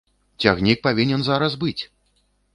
Цягнік павінен зараз быць!